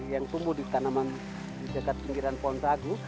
yang tumbuh di tanaman di dekat pinggiran pohon sagu